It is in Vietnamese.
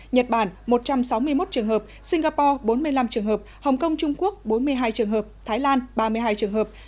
nhật bản một trăm sáu mươi một trường hợp singapore bốn mươi năm trường hợp hồng kông trung quốc bốn mươi hai trường hợp thái lan ba mươi hai trường hợp